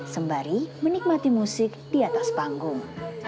sembari menikmati musik di atas panggung